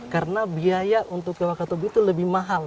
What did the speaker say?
karena biaya untuk ke wakatobi itu lebih mahal